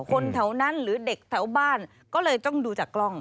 คนแถวนั้นหรือเด็กแถวบ้านก็เลยต้องดูจากกล้อง